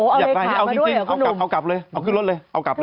เอาเลยขาดมาด้วยเหรอคุณหนุ่มเอาขึ้นรถเลยเอากลับเลย